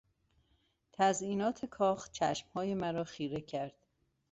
تزیینات کاخ چشمهای مرا خیره کرد.